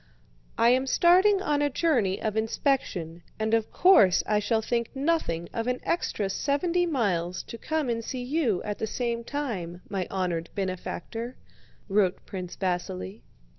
"I am starting on a journey of inspection, and of course I shall think nothing of an extra seventy miles to come and see you at the same time, my honored benefactor," wrote Prince Vasíli.